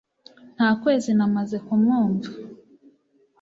Nta kwezi namaze kumwumva